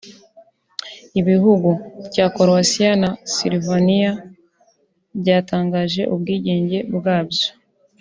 Ibihugu cya Croatia na Slovenia byatangaje ubwigenge bwabyo